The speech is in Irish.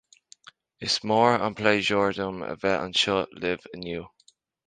Is mór an pléisiúr dom a bheith anseo libh inniu